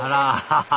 アハハハ